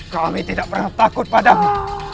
kami tidak pernah takut padamu